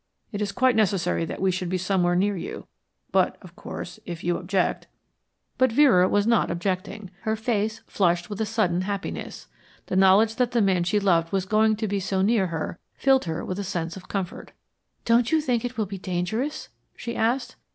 It is quite necessary that we should be somewhere near you; but, of course, if you object " But Vera was not objecting. Her face flushed with a sudden happiness. The knowledge that the man she loved was going to be so near her filled her with a sense of comfort. "Don't you think it will be dangerous?" she asked.